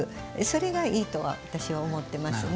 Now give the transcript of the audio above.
それがいいと私は思っています。